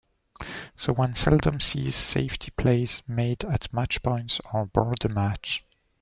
So one seldom sees safety plays made at matchpoints or board-a-match.